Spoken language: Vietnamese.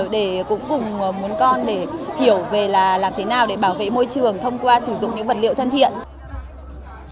để cũng cùng muốn con để hiểu về là làm thế nào để bảo vệ môi trường thông qua sử dụng những vật liệu thân thiện